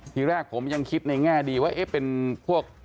ทีแรกผมยังคิดในแง่ดีว่าเอ๊ะเป็นพวก